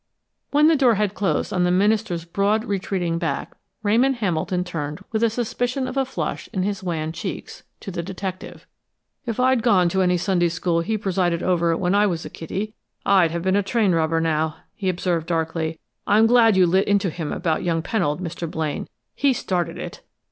When the door had closed on the minister's broad, retreating back, Ramon Hamilton turned with a suspicion of a flush in his wan cheeks, to the detective. "If I'd gone to any Sunday school he presided over, when I was a kiddie, I'd have been a train robber now!" he observed darkly. "I'm glad you lit into him about young Pennold, Mr. Blaine. He started it!"